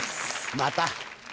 また。